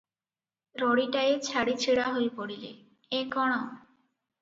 ରଡ଼ିଟାଏ ଛାଡ଼ି ଛିଡ଼ା ହୋଇପଡ଼ିଲେ, "ଏଁ କଣ?